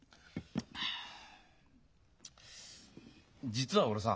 実は俺さ